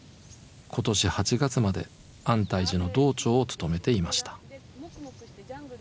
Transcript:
今年８月まで安泰寺の堂頭を務めていました。